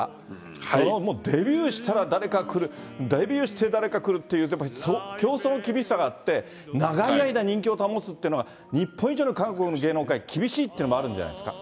そのデビューしたら誰か来る、デビューして誰か来るっていう、競争の厳しさがあって、長い間人気を保つというのが、日本以上に韓国の芸能界、厳しいというのもあるんじゃないですか。